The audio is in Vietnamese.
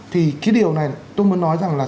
thì cái điều này tôi muốn nói rằng là